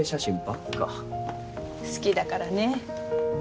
好きだからねぇ。